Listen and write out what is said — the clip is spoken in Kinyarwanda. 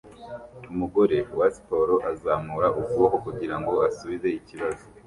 Umugore wa siporo azamura ukuboko kugirango asubize ikibazo